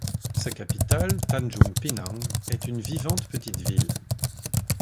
Sa capitale, Tanjung Pinang, est une vivante petite ville.